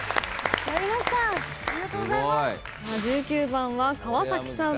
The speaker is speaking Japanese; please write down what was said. １９番は川さん。